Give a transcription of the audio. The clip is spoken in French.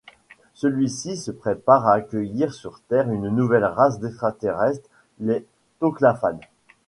Celui-ci se prépare à accueillir sur Terre une nouvelle race d'extraterrestres, les Toclafanes.